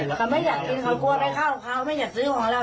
เขาไม่อยากกินเขากลัวไปเข้าเขาไม่อยากซื้อของเรา